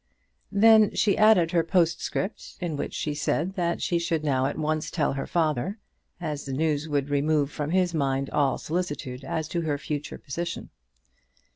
Then she added her postscript, in which she said that she should now at once tell her father, as the news would remove from his mind all solicitude as to her future position.